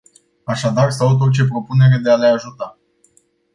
Așadar, salut orice propunere de a le ajuta.